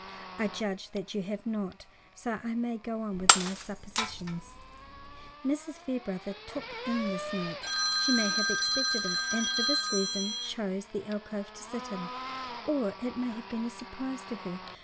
"I judge that you have not, so I may go on with my suppositions. Mrs. Fairbrother took in this note. She may have expected it and for this reason chose the alcove to sit in, or it may have been a surprise to her.